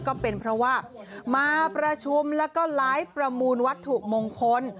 ก็เป็นเพราะว่ามาประชุมแล้วก็ไลฟ์ประมูลวัตถุมงคล